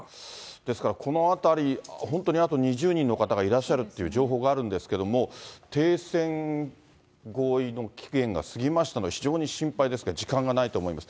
ですから、このあたり、本当にあと２０人の方がいらっしゃるっていう情報があるんですけれども、停戦合意の期限が過ぎましたので、非常に心配ですけれども、時間がないと思います。